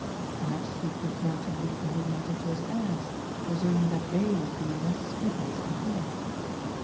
Perhaps he had preferred to leave the whole matter to his heirs, presume ing that they would be less scrupulous than he.